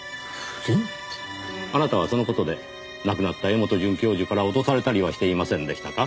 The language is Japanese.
あなたはその事で亡くなった柄本准教授から脅されたりはしていませんでしたか？